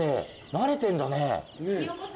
なれてんだね。